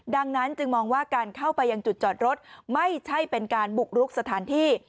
ดังนั้นจึงมองว่าการเข้าไปยังจุดจอดรถไม่ใช่เป็นการบุกรุกสถานที่